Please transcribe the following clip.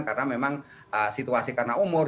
karena memang situasi karena umur